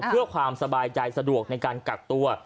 เพื่อความสบายใจสะดวกในการกักตัว